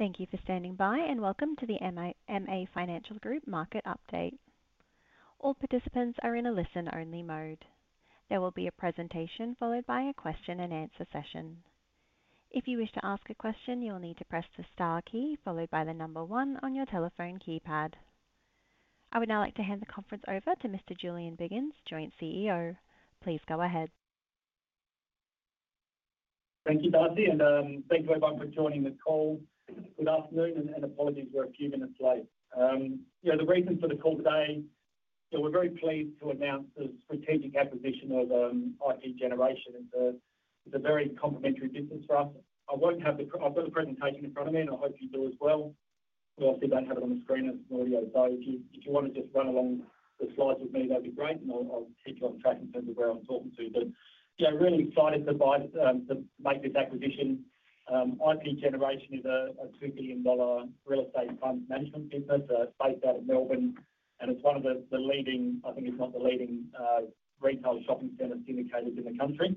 Thank you for standing by, and welcome to the MA Financial Group Market Update. All participants are in a listen-only mode. There will be a presentation followed by a question-and-answer session. If you wish to ask a question, you'll need to press the star key followed by the number one on your telephone keypad. I would now like to hand the conference over to Mr. Julian Biggins, Joint CEO. Please go ahead. Thank you, Darcy, and thank you everyone for joining the call this afternoon, and apologies we're a few minutes late. The reasons for the call today, we're very pleased to announce the strategic acquisition of IP Generation. It's a very complementary business for us. I've got a presentation in front of me, and I hope you do as well. I don't have it on the screen, as Claudia had advised you. If you want to just run along the slides with me, that'd be great, and I'll keep you on track in terms of where I'm talking to you. Yeah, really excited to make this acquisition. IP Generation is a 2 billion dollar real estate fund management business based out of Melbourne, and it's one of the leading—I think if not the leading—retail shopping centers indicators in the country.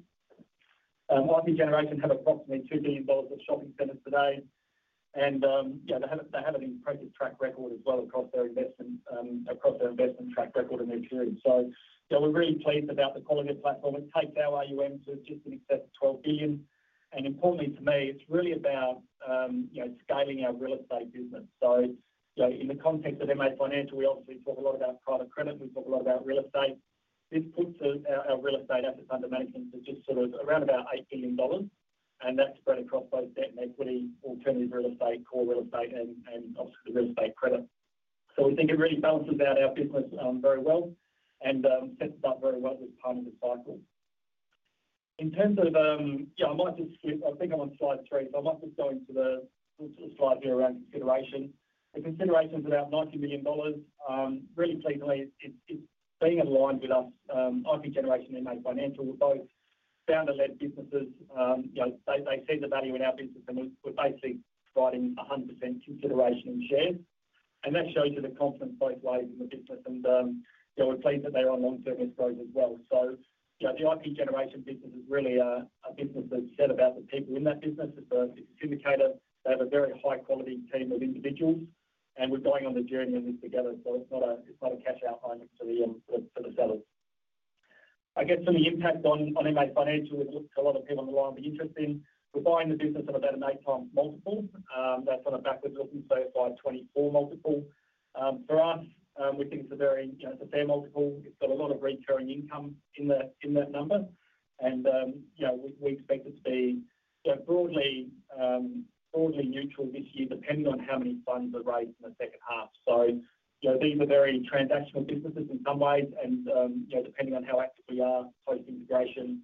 IP Generation have approximately 2 billion worth of shopping centers today, and they have a pretty track record as well across their investment track record in this year. We are really pleased about the quality of the platform. It takes our AUM to just in excess of 12 billion, and importantly to me, it is really about scaling our real estate business. In the context of MA Financial, we obviously talk a lot about private credit, and we talk a lot about real estate. This puts our real estate asset fund management to just sort of around about 8 billion dollars, and that is spread across both debt and equity, alternative real estate, core real estate, and obviously real estate credit. We think it really balances out our business very well and sets us up very well with time in the cycle. In terms of—I might just skip—I think I'm on slide three, but I might just go into the slide here around consideration. The consideration's about 90 billion dollars. Really pleasingly, it's being aligned with us. IP Generation and MA Financial, we're both founder-led businesses. They see the value in our business, and we're basically providing 100% consideration in share, and that shows you the confidence they've gained in the business, and we're pleased that they're on long-term escrows as well. The IP Generation business is really a business that's set about the people in that business. It's an indicator. They have a very high-quality team of individuals, and we're going on the journey in this together, so it's not a cash-out only for the sellers. I guess for the impact on MA Financial, we've looked at a lot of people on the line to be interested in. We're buying the business at about an eight-time multiple. That's on a backward-looking 35/24 multiple for us. We think it's a fair multiple. It's got a lot of recurring income in that number, and we expect it to be broadly neutral this year, depending on how many funds are raised in the second half. Being a very transactional business in some ways, and depending on how active we are, how the communication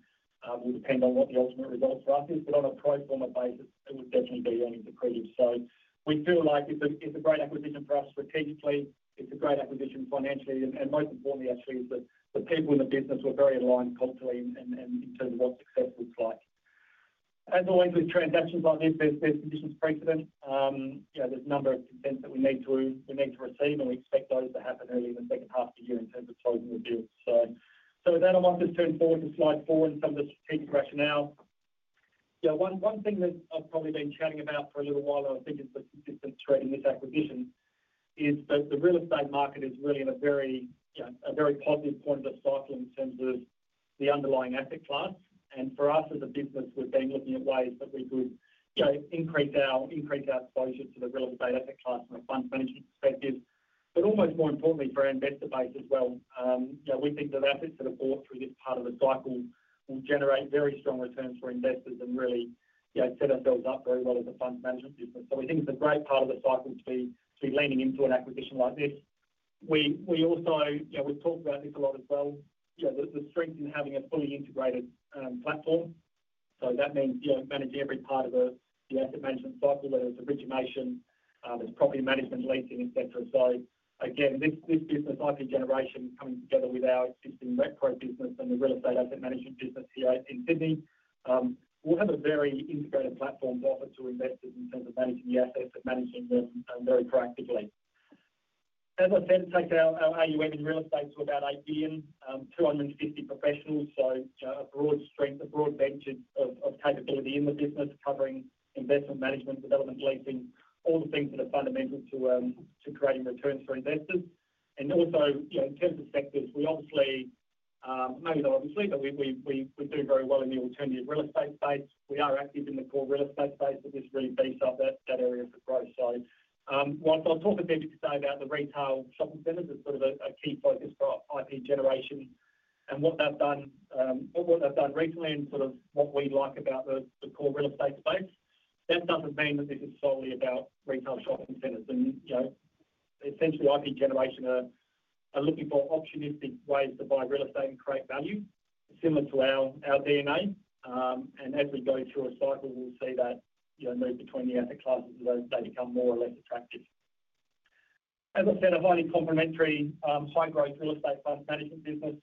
will depend on what the ultimate result for us is, but on a pro forma basis, it will definitely be earnings accredited. We do like it. It's a great acquisition for us strategically. It's a great acquisition financially, and most importantly, I think, is that the people in the business were very aligned culturally and in terms of what success looks like. As always, with transactions like this, there's conditions precedent. are a number of things that we need to receive, and we expect those to happen early in the second half of the year in terms of closing the deal. With that, I might just turn it forward to slide four and some of the strategic rationale. One thing that I've probably been chatting about for a little while—I think it's the consistent thread in this acquisition—is that the real estate market is really at a very positive point of cycle in terms of the underlying asset class. For us as a business, we've been looking at ways that we could increase our exposure to the real estate asset class and the funds management perspective. Almost more importantly, for our investor base as well, we think that assets that are bought through this part of the cycle will generate very strong returns for investors and really set ourselves up very well as a funds management business. We think it is a great part of the cycle to be leaning into an acquisition like this. We also—we have talked about this a lot as well—the strength in having a fully integrated platform. That means managing every part of the asset management cycle, whether it is a regimation, there is property management, leasing, etc. Again, this business, IP Generation, coming together with our existing macro business and the real estate asset management business here in Sydney, will have a very integrated platform to offer to investors in terms of managing the assets and managing them very proactively. As I said, it takes our AUM in real estate to about 8 billion, 250 professionals, so a broad strength, a broad bench of capability in the business, covering investment management, development, leasing, all the things that are fundamental to creating returns for investors. Also, in terms of sectors, we obviously—maybe not obviously—but we do very well in the alternative real estate space. We are active in the core real estate space, but this really feeds off that area of the growth. I'll talk a bit today about the retail shopping centers as sort of a key focus for IP Generation and what they've done recently and sort of what we like about the core real estate space. That doesn't mean that this is solely about retail shopping centers. Essentially, IP Generation are looking for opportunistic ways to buy real estate and create value, similar to our DNA. As we go through a cycle, we'll see that move between the asset classes as they become more or less attractive. As I said, a highly complementary high-growth real estate fund management business.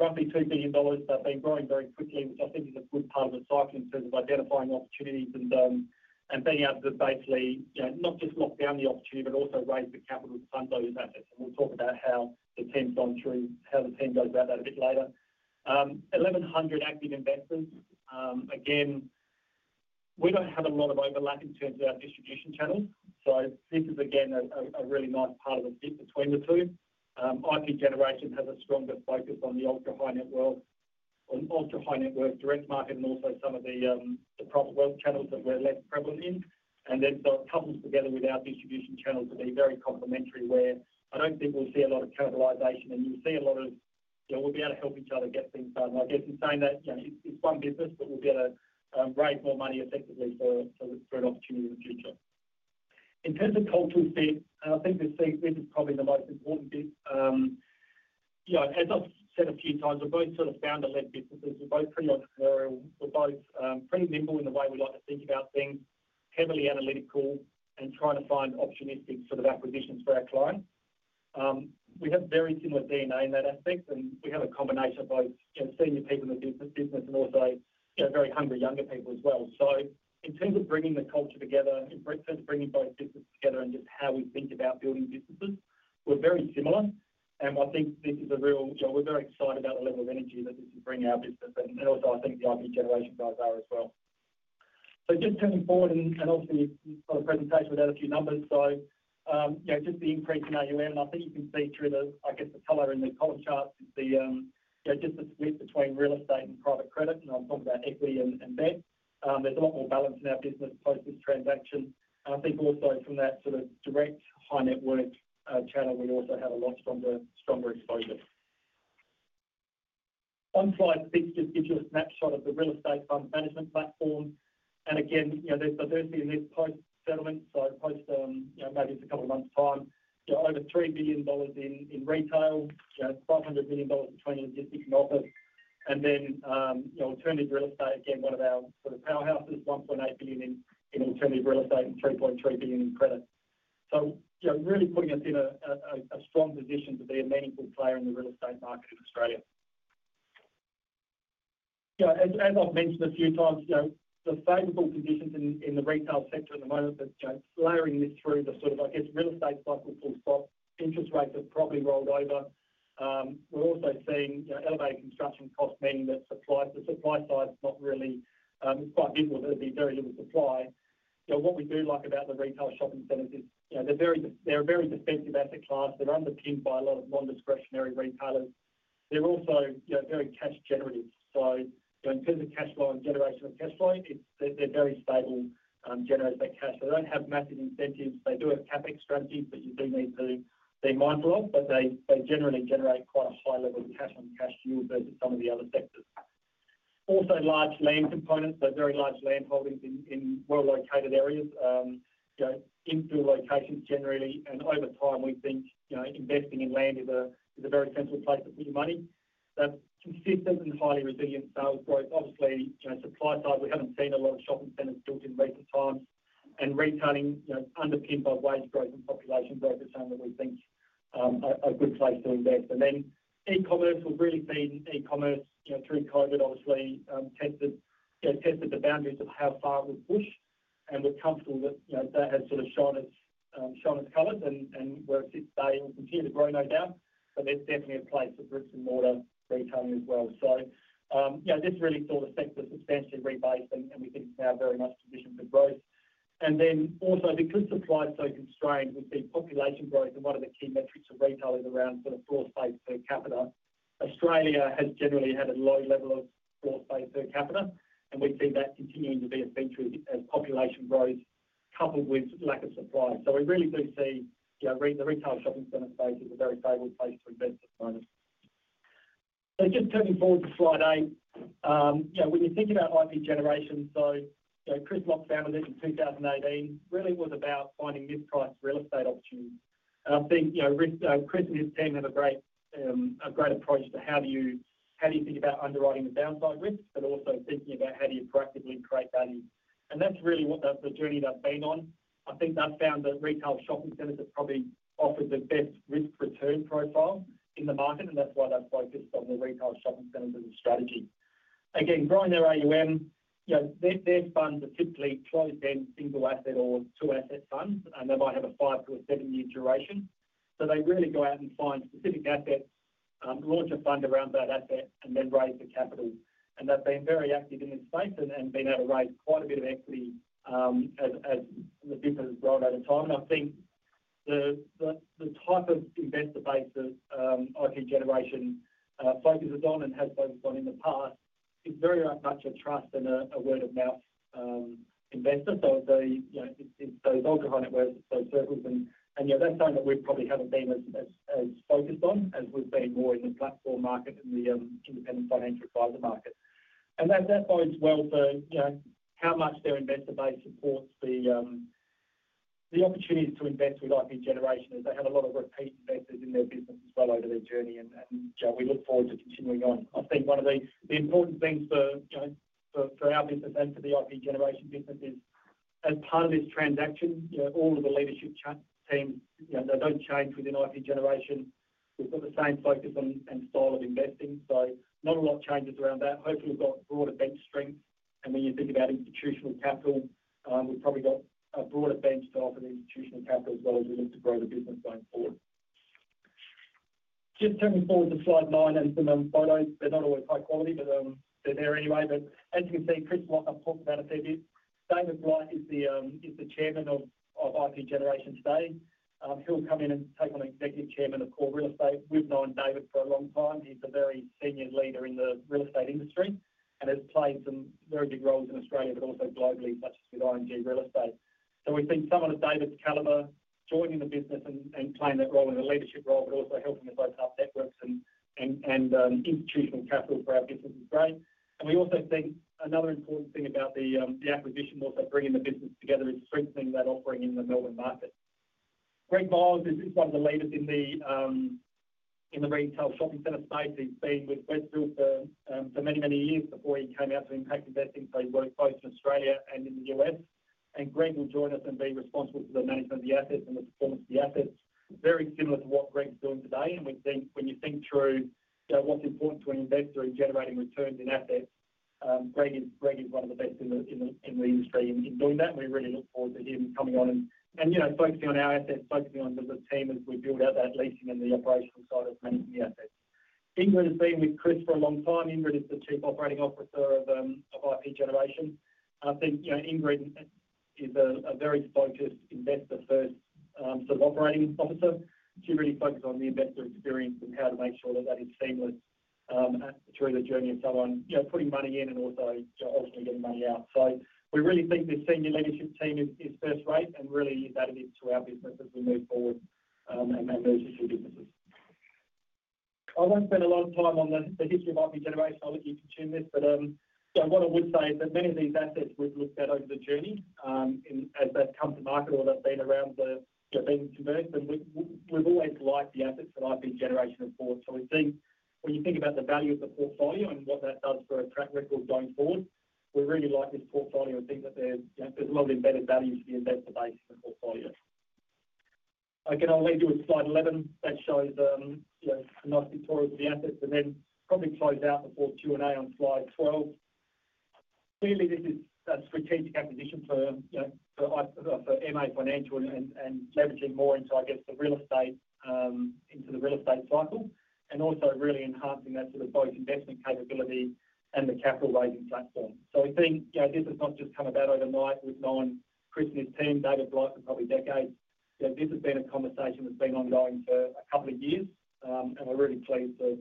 Roughly 2 billion dollars. They've been growing very quickly, which I think is a good part of the cycle in terms of identifying opportunities and being able to basically not just lock down the opportunity, but also raise the capital to fund those assets. We'll talk about how the team's gone through, how the team goes about that a bit later. One thousand one hundred active investors. Again, we don't have a lot of overlap in terms of our distribution channels. This is, again, a really nice part of the difference between the two. IP Generation has a stronger focus on the ultra-high net worth, on ultra-high net worth direct market, and also some of the profitable channels that we're less prevalent in. It couples together with our distribution channels to be very complimentary, where I don't think we'll see a lot of capitalisation, and you'll see a lot of—we'll be able to help each other get things done. I guess in saying that it's one business, but we'll be able to raise more money effectively for an opportunity in the future. In terms of cultural fit, I think this is probably the most important bit. As I've said a few times, we're both sort of founder-led businesses. We're both pretty entrepreneurial. We're both pretty nimble in the way we like to think about things, heavily analytical, and trying to find opportunistic sort of acquisitions for our clients. We have a very similar DNA in that aspect, and we have a combination of both senior people in the business and also very hungry younger people as well. In terms of bringing the culture together, in terms of bringing both businesses together and just how we think about building businesses, we're very similar. I think this is a real—we're very excited about the level of energy that this is bringing our business, and also I think the IP Generation goes there as well. Just coming forward, and obviously, this is not a presentation without a few numbers. Just the increase in AUM, I think you can see through the, I guess, the color in the column chart, just the split between real estate and private credit, and I'm talking about equity and debt. There's a lot more balance in our business post this transaction. I think also from that sort of direct high net worth channel, we also have a lot stronger focus. One slide just gives you a snapshot of the real estate fund management platform. Again, there is diversity in this post-settlement, so post maybe it is a couple of months' time. Over 3 billion dollars in retail, 500 million dollars in plain logistics and office, and then alternative real estate, again, one of our sort of powerhouses, 1.8 billion in alternative real estate and 3.3 billion in credit. This really puts us in a strong position to be a meaningful player in the real estate market in Australia. As I have mentioned a few times, the favorable positions in the retail sector at the moment, that is layering this through the sort of, I guess, real estate cycle full stop. Interest rates have probably rolled over. We're also seeing elevated construction costs, meaning that the supply side is not really—it's quite difficult to be very little supply. What we do like about the retail shopping centers is they're very expensive asset class. They're underpinned by a lot of non-discretionary retailers. They're also very cash-generative. In terms of cash flow and generation of cash flow, they're very stable generators of cash. They don't have massive incentives. They do have Capex strategies that you do need to be mindful of, but they generate and generate quite a high level of cash on cash yields as some of the other sectors. Also large land components, so very large land holdings in well-located areas, in-build locations generally. Over time, we've been investing in land is a very sensible place to put your money. Consistent and highly resilient sales growth. Obviously, supply side, we haven't seen a lot of shopping centers built in recent times. Retailing, underpinned by wage growth and population, those are some that we think are a good place to invest. E-commerce, we've really seen e-commerce through COVID, obviously, tested the boundaries of how far we push. We're comfortable that they have sort of shown its colors and were sustained and continue to grow, no doubt. There's definitely a place for bricks and mortar retailing as well. This really sort of sets us especially rebased, and we think it's now very much positioned for growth. Also, because supply is so constrained, we see population growth. One of the key metrics of retail is around sort of broad-based per capita. Australia has generally had a low level of broad-based per capita, and we've seen that continuing to be a feature as population grows, coupled with lack of supply. We really do see the retail shopping center space is a very stable space to invest at the moment. Coming forward to slide eight, when you're thinking about IP Generation, Chris Lock founded this in 2019, really was about finding mispriced real estate opportunities. I think Chris and his team have a great approach to how do you think about underwriting the downside risk, but also thinking about how do you proactively create value. That's really what the journey they've been on. I think they've found that retail shopping centers have probably offered the best risk-return profile in the market, and that's why they've focused on the retail shopping centers as a strategy. Again, growing their AUM, their funds are typically 12-10 single asset or two-asset funds, and they might have a five to a seven-year duration. They really go out and find specific assets, launch a fund around that asset, and then raise the capital. They have been very active in this space and been able to raise quite a bit of equity as the business has grown over time. I think the type of investor base that IP Generation focuses on and has focused on in the past is very much a trust and a word-of-mouth investor. It is those old kind of circles. That is something that we probably have not been as focused on as we have been more in this platform market and the independent financial funds market. That both wells how much their investor base supports the opportunities to invest with IP Generation. They have a lot of rotation investors in their business as well over their journey, and we look forward to continuing on. I think one of the important things for our business and for the IP Generation business is, as part of this transaction, all of the leadership teams, they do not change within IP Generation. We have the same focus and style of investing, so not a lot of changes around that. Hopefully, we have broad-adventure strength. When you think about institutional capital, we have probably got a broad-adventure type of institutional capital as well as we need to grow the business going forward. Just coming forward to slide nine, and it is a photo. They are not always high quality, but they are there anyway. As you can see, Chris Lock, I have talked about a fair bit. David Bright is the Chairman of IP Generation Study. He'll come in and take on Executive Chairman of core real estate. We've known David for a long time. He's a very senior leader in the real estate industry and has played some very big roles in Australia, but also globally, such as with IMG Real Estate. We've been someone of David's calibre, joining the business and playing that role in a leadership role, but also helping us open up networks and institutional capital for our businesses and brain. We also think another important thing about the acquisition was bringing the business together and strengthening that offering in the Melbourne market. Greg Barnes is one of the leaders in the retail shopping center space. He's been with Westfield for many, many years before he came out to impact investing. He worked both in Australia and in the U.S. Greg will join us and be responsible for the management of the assets and the performance of the assets. Very similar to what Greg's doing today. When you think through what's important to an investor in generating returns in assets, Greg is one of the best in the industry in doing that. We really look forward to him coming on and focusing on our assets, focusing on the team as we build out that leasing and the operational side of managing the assets. Ingrid has been with Chris for a long time. Ingrid is the Chief Operating Officer of IP Generation. I think Ingrid is a very focused, investor-first sort of operating officer to really focus on the investor experience and how to make sure that that is seamless through the journey and someone putting money in and also obviously getting money out. We really think this senior leadership team is first rate and really is that it is to our business as we move forward and manage this business. I will not spend a lot of time on the history of IP Generation. I will let you continue this. What I would say is that many of these assets we have looked at over the journey as they have come to market or they have been around for things to work. We have always liked the assets that IP Generation has brought. When you think about the value of the portfolio and what that does for its record going forward, we really like this portfolio and think that there is a lot of embedded value to the investor base in the portfolio. Again, I'll leave you with slide 11 that shows the notice of the assets and then probably close out the full Q&A on slide 12. Clearly, this is a strategic acquisition for MA Financial and leveraging more into, I guess, the real estate into the real estate cycle and also really enhancing that sort of both investment capability and the capital-raising platform. I think this has not just come about overnight with knowing Chris and his team, David Bright for probably decades. This has been a conversation that's been ongoing for a couple of years, and we're really pleased to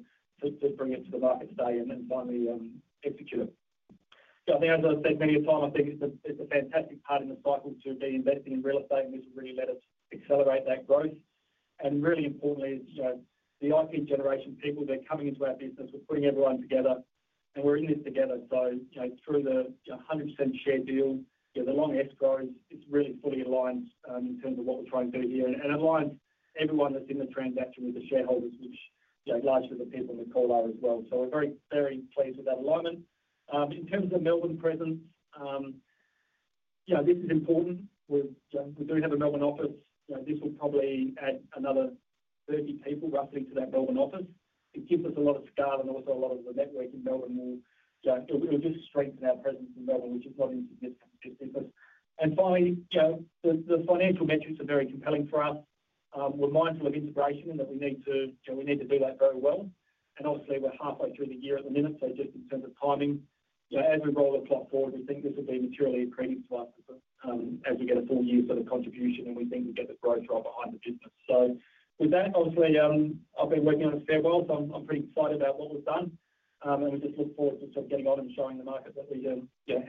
bring it to today and finally execute it. I mean, as I've said many times, I think it's a fantastic part in the cycle to be investing in real estate, and this will really let us accelerate that growth. And really importantly, the IP Generation people, they're coming into our business. We're putting everyone together, and we're in this together. Through the 100% share deal, the long escrow is really fully aligned in terms of what we're trying to do here and aligns everyone that's in the transaction with the shareholders, which largely the people in the core line as well. We're very pleased with that alignment. In terms of Melbourne presence, this is important. We do have a Melbourne office. This would probably add another 30 people roughly to that Melbourne office. It gives us a lot of scale and also a lot of the network in Melbourne. It will just strengthen our presence in Melbourne, which is not insignificant to business. Finally, the financial metrics are very compelling for us. We're mindful of integration and that we need to do that very well. And obviously, we're halfway through the year at the minute, so just in terms of timing, as we roll the clock forward, we think this will be materially appreciative as we get a full year's sort of contribution, and we think we get the growth right behind the business. With that, obviously, I've been working on it fair well, so I'm pretty excited about what we've done. We just look forward to sort of getting on and showing the market how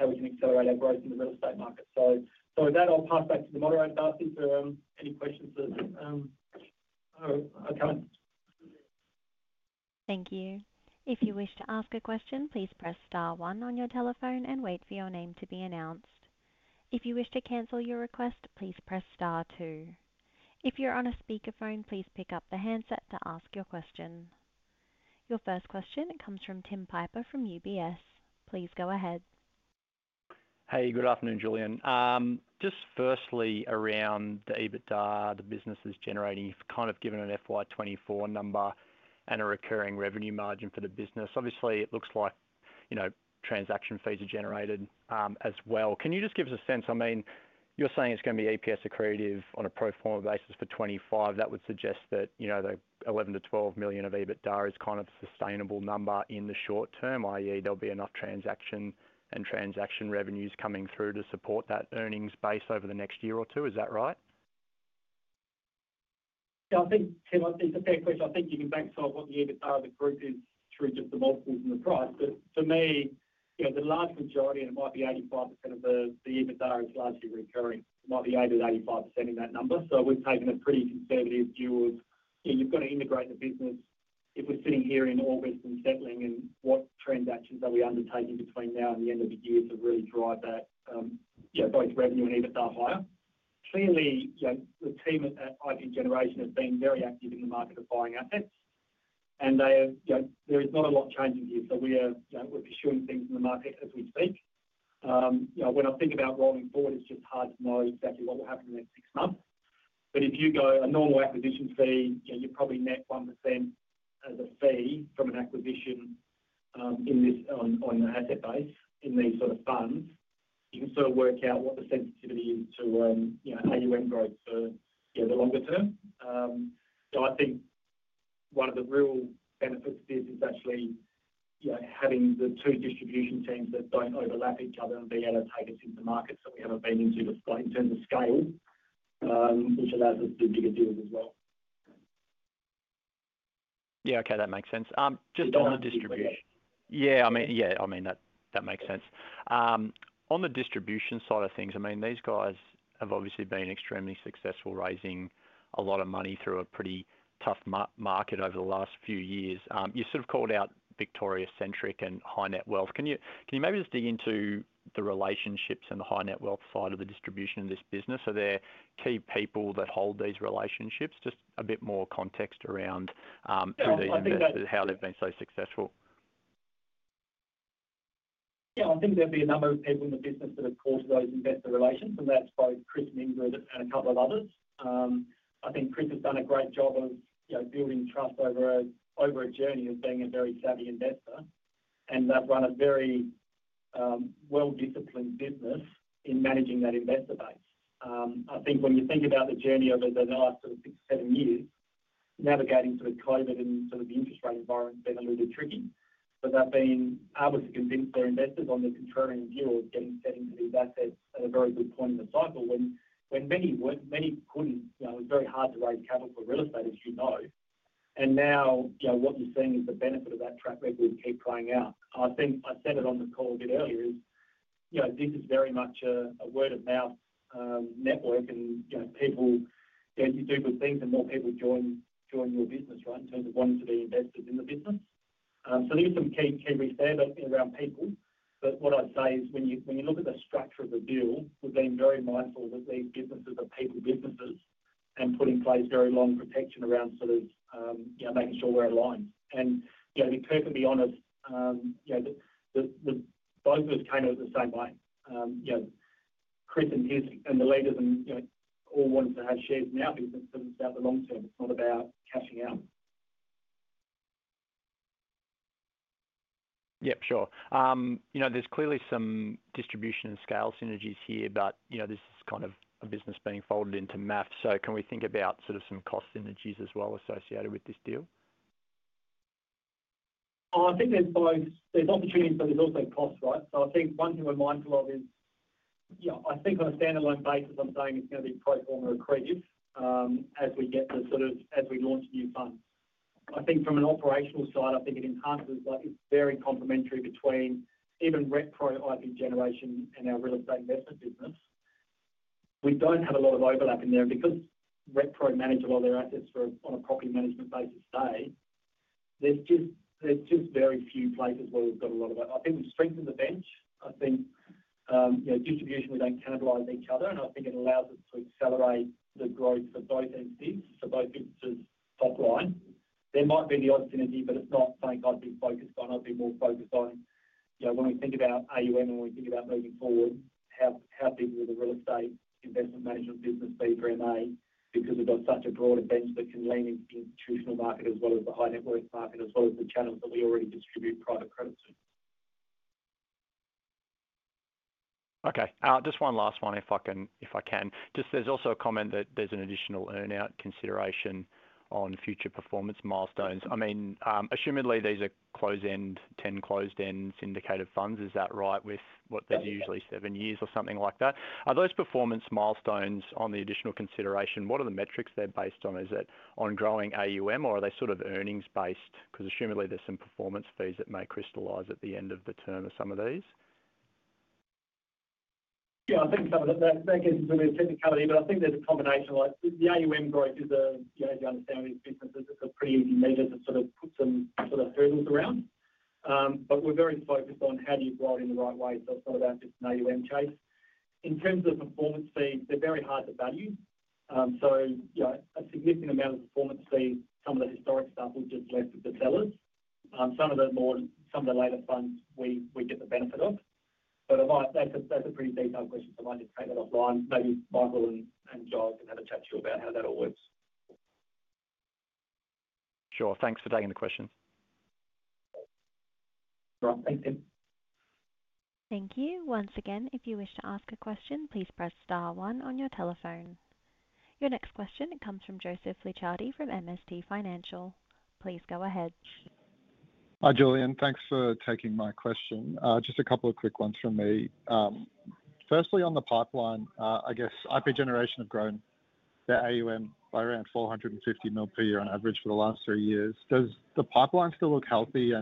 we can accelerate our growth in the real estate market. With that, I'll pass back to the moderator, Darcy, for any questions. Thank you. If you wish to ask a question, please press star one on your telephone and wait for your name to be announced. If you wish to cancel your request, please press star two. If you're on a speakerphone, please pick up the handset to ask your question. Your first question comes from Tim Piper from UBS. Please go ahead. Hey, good afternoon, Julian. Just firstly, around David, the business is generating, you've kind of given an FY24 number and a recurring revenue margin for the business. Obviously, it looks like transaction fees are generated as well. Can you just give us a sense? I mean, you're saying it's going to be EPS accretive on a pro forma basis for 2025. That would suggest that the 11 million-12 million of EBITDA is kind of a sustainable number in the short term, i.e., there will be enough transaction and transaction revenues coming through to support that earnings base over the next year or two. Is that right? Yeah, I think, Tim, I think the fair question. I think you can backstart what the EBITDA of the group is through just the volatiles and the price. For me, the large majority, and it might be 85% of the EBITDA, is largely recurring. It might be 80%-85% of that number. We have taken a pretty conservative view of you have to integrate the business. If we are sitting here in August and settling and what transactions that we undertake in between now and the end of the year to really drive that both revenue and EBITDA higher. Clearly, the team at IP Generation have been very active in the market of buying assets, and there is not a lot changing here. We are pursuing things in the market as we speak. When I think about rolling forward, it is just hard to know exactly what will happen in the next six months. If you go a normal acquisition fee, you're probably net 1% as a fee from an acquisition on the asset base in these sort of funds. You can sort of work out what the sensitivity is to AUM growth for the longer term. I think one of the real benefits of this is actually having the two distribution teams that do not overlap each other and being able to take us into markets that we have not been into in terms of scale, which allows us to do it as well. Yeah, okay, that makes sense. Just on the distribution, yeah, I mean, yeah, I mean, that makes sense. On the distribution side of things, I mean, these guys have obviously been extremely successful raising a lot of money through a pretty tough market over the last few years. You sort of called out Victoria centric and high net wealth. Can you maybe just dig into the relationships and the high-net-wealth side of the distribution of this business? Are there key people that hold these relationships? Just a bit more context around who they invest with, how they've been so successful. Yeah, I think there'll be a number of people in the business that have brought those investor relations, and that's both Chris Monaghan and a couple of others. I think Chris has done a great job of building trust over a journey as being a very savvy investor, and they've run a very well-disciplined business in managing that investor base. I think when you think about the journey over the last sort of six, seven years, navigating through COVID and sort of the infrastructure environment has been a little bit tricky. That being able to convince their investors on the concurring view of getting into these assets at a very good point in the cycle when many could not, it was very hard to raise capital for real estate, as you know. Now what you are seeing is the benefit of that track record and keep playing out. I think I said it on the call a bit earlier, this is very much a word-of-mouth network, and people tend to do different things, and not everyone joins your business, right, in terms of wanting to be invested in the business. There are some key reasons, but around people. What I would say is when you look at the structure of the deal, we have been very mindful of the differences of people businesses and put in place very long protection around sort of making sure we are aligned. To perfectly be honest, both of us came out the same way. Chris and his and the leaders and all wanted to have shares in our business, but it's about the long term. It's not about cashing out. Yep, sure. There's clearly some distribution and scale synergies here, but this is kind of a business being folded into MA Financial Group. Can we think about sort of some cost synergies as well associated with this deal? I think there's both. There's opportunities, but there's also costs, right? I think one thing we're mindful of is, yeah, I think on a standalone basis, I'm saying it's going to be pro forma accretive as we get the sort of as we launch new funds. I think from an operational side, I think it enhances, it's very complementary between even retro IP Generation and our real estate investment business. We do not have a lot of overlap in there because retro managed a lot of assets on a property management basis today. There are just very few places where we have a lot of it. I think we have strengthened the bench. I think distribution would then cannibalize each other, and I think it allows us to accelerate the growth for both entities, for both businesses' top line. There might be the opportunity, but if not, thank God, be focused on. I would be more focused on when we think about AUM and when we think about moving forward, how people with a real estate investment management business be the MA because we have such a broad advantage that can lean into the traditional market as well as the high net worth market as well as the channels that we already distribute private credit to. Okay. Just one last one, if I can. Just there's also a comment that there's an additional earnout consideration on future performance milestones. I mean, assumedly these are closed-end, 10 closed-end syndicated funds. Is that right with what they're usually seven years or something like that? Are those performance milestones on the additional consideration? What are the metrics they're based on? Is it on growing AUM, or are they sort of earnings-based? Because assumedly there's some performance fees that may crystallize at the end of the term of some of these. Yeah, I think some of that gets into the syndicate. I think there's a combination. The AUM growth is the understanding of businesses that are pre-emptive measures that sort of put some sort of hurdles around. We're very focused on how do you broaden in the right way. It's not about just an AUM chase. In terms of performance fees, they're very hard to value. A significant amount of performance fees, some of the historic stuff, we'll just leave to the sellers. Some of the later funds, we get the benefit of. That is a pretty detailed question. I'll just take that offline. Maybe Michael and Joel can have a chat to you about how that all works. Sure. Thanks for taking the questions. Thank you. Once again, if you wish to ask a question, please press star one on your telephone. Your next question comes from Joseph Licciardi from MST Financial. Please go ahead. Hi, Julian. Thanks for taking my question. Just a couple of quick ones from me. Firstly, on the pipeline, I guess IP Generation have grown their AUM by around 450 million per year on average for the last three years. Does the pipeline still look healthy?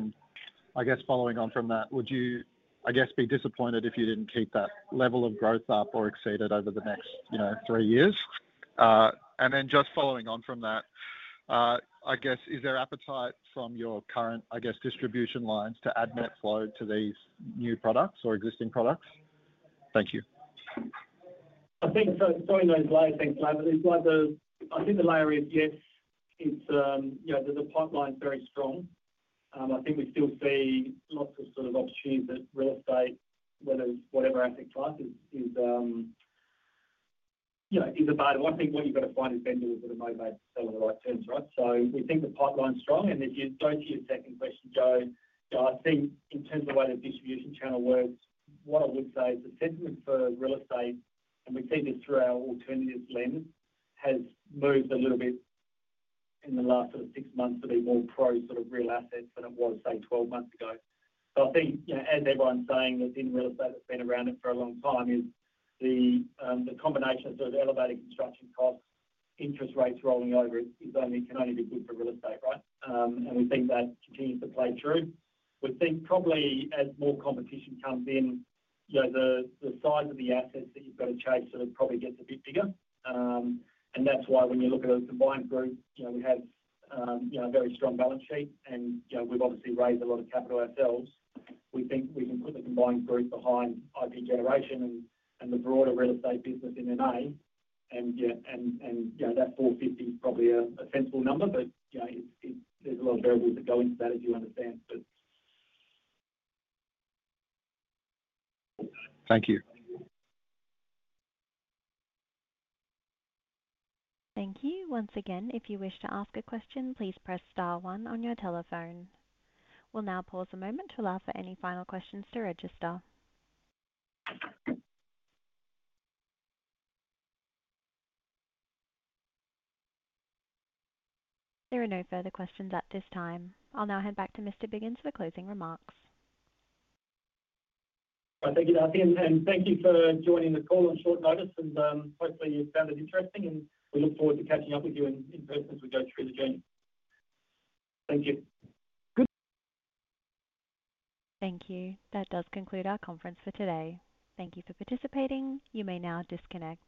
I guess following on from that, would you, I guess, be disappointed if you did not keep that level of growth up or exceed it over the next three years? Just following on from that, I guess, is there appetite from your current, I guess, distribution lines to add net flow to these new products or existing products? Thank you. I think so in those layers, thanks, Larry. I think the layer is yes, there is a pipeline, very strong. I think we still see lots of sort of opportunities that real estate, whether it is whatever asset class is, is about. I think what you have got to find is vendors that are motivated by those terms, right? We think the pipeline is strong. If you go to your second question, Joe, I think in terms of the way the distribution channel works, what I would say is the sentiment for real estate, and we've seen this through our alternative lens, has moved a little bit in the last sort of six months to be more pro sort of real assets than it was, say, twelve months ago. I think, as everyone's saying, in real estate that's been around it for a long time, the combination of sort of elevated construction costs, interest rates rolling over, can only be good for real estate, right? We think that continues to play through. We think probably as more competition comes in, the size of the assets that you've got to change sort of probably gets a bit bigger. That is why when you look at a combined group, we have a very strong balance sheet, and we have obviously raised a lot of capital ourselves. We think we can put the combined group behind IP Generation and the broader real estate business in MA. That 450 is probably a sensible number, but there are a lot of variables that go into that, as you understand. Thank you. Thank you. Once again, if you wish to ask a question, please press star one on your telephone. We will now pause a moment to allow for any final questions to register. There are no further questions at this time. I will now hand back to Mr. Biggins for closing remarks. Thank you, Darcy. Thank you for joining the call on short notice. Hopefully, you found it interesting, and we look forward to catching up with you in person as we go through the journey. Thank you. Good. Thank you. That does conclude our conference for today. Thank you for participating. You may now disconnect.